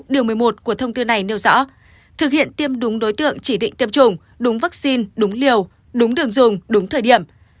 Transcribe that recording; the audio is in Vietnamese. điều một mươi một của thông tư này nêu rõ thực hiện tiêm đúng đối tượng chỉ định tiêm chủng đúng vaccine đúng liều đúng đường dùng đúng thời điểm